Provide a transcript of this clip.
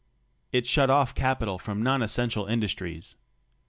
It shut off capital from non essential industries.